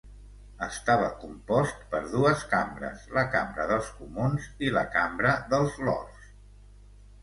Estava compost per dues cambres: la Cambra dels Comuns i la Cambra dels Lords.